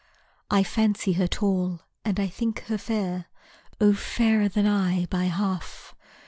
I fancy her tall, and I think her fair, Oh! fairer than I by half.